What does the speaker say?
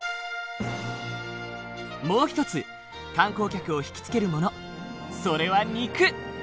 もう一つ観光客を引き付けるものそれは肉！